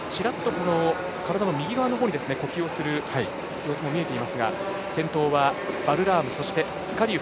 体の右側のほうに呼吸をする様子も見えていますが先頭はバルラームそしてスカリウフ